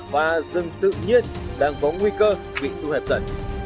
và rừng tự nhiên đang có nguy cơ bị thu hẹp dần